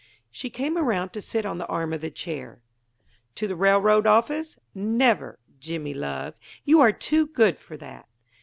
She came around to sit on the arm of the chair. "To the railroad office? Never! Jimmy, love. You are too good for that."